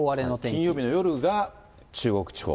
金曜日の夜が中国地方。